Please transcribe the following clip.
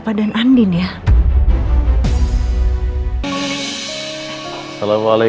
bapak mengatakan bahwa dia akan menjadi anak yang baik